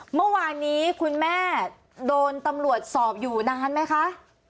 เมื่อวานนี้คุณแม่โดนตำรวจสอบอยู่นานไหมคะ